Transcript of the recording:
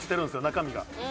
中身が。